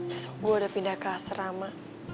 besok gue udah pindah ke asrama